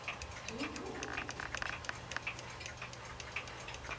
「情報」？